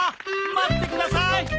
待ってください！